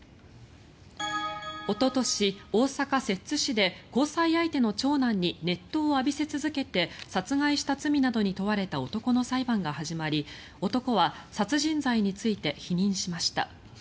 おととし、大阪・摂津市で交際相手の長男に熱湯を浴びせ続けて殺害した罪などに問われた男の裁判が始まり男は殺人罪について否認しました。